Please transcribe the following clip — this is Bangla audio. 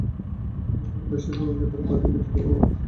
এগুলোর বেশির ভাগ ক্ষেত্রেই বাদী আপত্তি তুলে আবার তদন্তের আবেদন করেছেন।